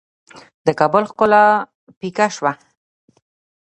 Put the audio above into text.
د کابل ښکلا پیکه شوه.